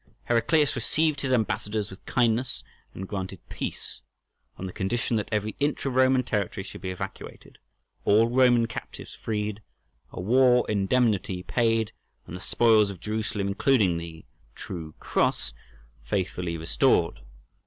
Heraclius received his ambassadors with kindness, and granted peace, on the condition that every inch of Roman territory should be evacuated, all Roman captives freed, a war indemnity paid, and the spoils of Jerusalem, including the "True Cross," faithfully restored.